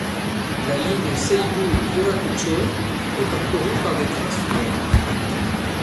La ligne Seibu Yūrakuchō est parcourue par des trains suivants.